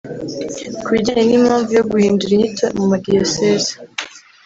Ku bijyanye n’impamvu yo guhindura inyito mu madiyoseze